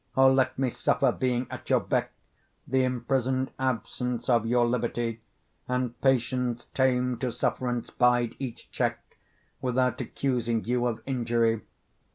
O! let me suffer, being at your beck, The imprison'd absence of your liberty; And patience, tame to sufferance, bide each check, Without accusing you of injury.